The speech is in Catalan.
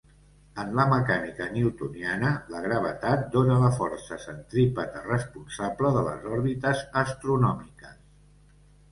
En la mecànica newtoniana, la gravetat dóna la força centrípeta responsable de les òrbites astronòmiques.